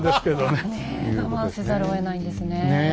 ねえ我慢せざるをえないんですねえ。